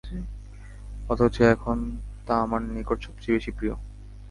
অথচ এখন তা আমার নিকট সবচেয়ে বেশী প্রিয়।